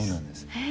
へえ。